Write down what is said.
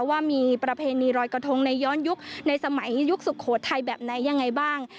ว่ามีประเพณีรอยกระทงในย้อนยุคในสมัยยุคสุโขทัยแบบไหนยังไงบ้าง